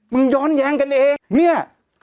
ย้อนแย้งกันเองเนี่ย